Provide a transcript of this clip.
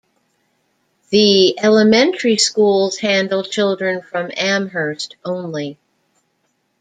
The elementary schools handle children from Amherst only.